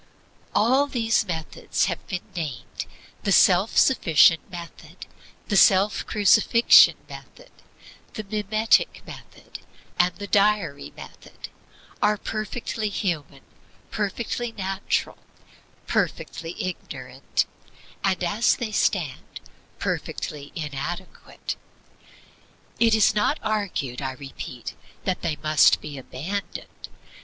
All these methods that have been named the self sufficient method, the self crucifixion method, the mimetic method, and the diary method are perfectly human, perfectly natural, perfectly ignorant, and as they stand perfectly inadequate. It is not argued, I repeat, that they must be abandoned.